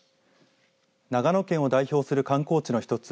長野県を代表する観光地の一つ。